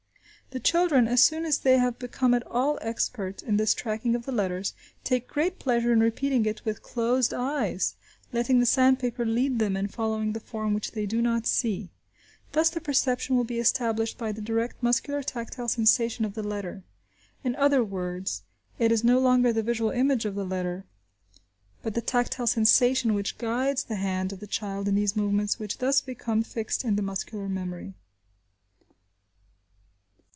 The children, as soon as they have become at all expert in this tracing of the letters, take great pleasure in repeating it with closed eyes, letting the sandpaper lead them in following the form which they do not see. Thus the perception will be established by the direct muscular tactile sensation of the letter. In other words, it is no longer the visual image of the letter, but the tactile sensation, which guides the hand of the child in these movements, which thus become fixed in the muscular memory.